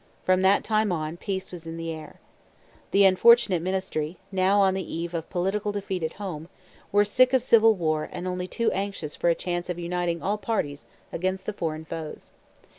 From that time on peace was in the air. The unfortunate ministry, now on the eve of political defeat at home, were sick of civil war and only too anxious for a chance of uniting all parties against the foreign foes.